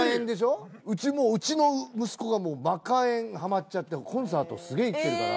うちの息子がマカえんはまっちゃってコンサートすげえ行ってるから。